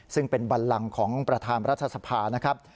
ซึ่งเป็นบันลังของประธานรัฐสภานะครับ